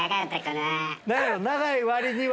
長い割には。